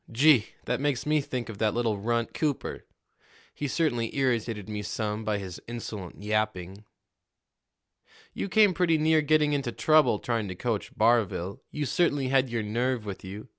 Gee! that makes me think of that little runt, Cooper! He certainly irritated me some by his insolent yapping." "You came pretty near getting into trouble trying to coach Barville. You certainly had your nerve with you.